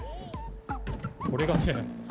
これがね。